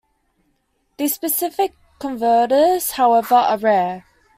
These specific converters, however, are rare.